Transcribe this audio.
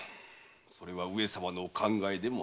それは上様のお考えでもある。